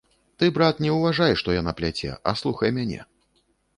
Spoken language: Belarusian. Ты, брат, не ўважай, што яна пляце, а слухай мяне.